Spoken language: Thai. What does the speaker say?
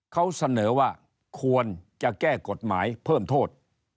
เขาเสนอว่าควรจะแก้กฎหมายเพิ่มโทษ